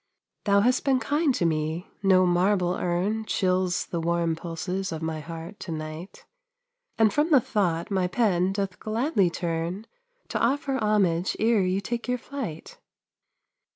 Thou hast been kind to me; no marble urn Chills the warm pulses of my heart to night, And from the thought my pen doth gladly turn To offer homage ere you take your flight.